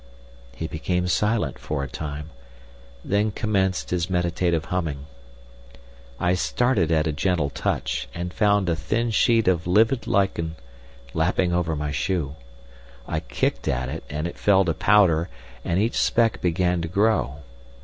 He became silent for a time, then commenced his meditative humming. I started at a gentle touch, and found a thin sheet of livid lichen lapping over my shoe. I kicked at it and it fell to powder, and each speck began to grow.